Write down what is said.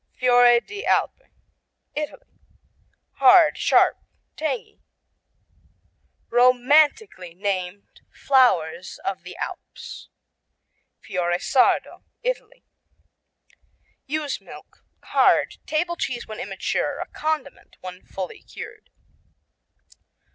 Fiore di Alpe Italy Hard; sharp; tangy. Romantically named "Flowers of the Alps." Fiore Sardo Italy Ewe's milk. Hard. Table cheese when immature; a condiment when fully cured.